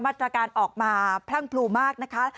มาตรการออกมาพรั่งพลูมากนะคะ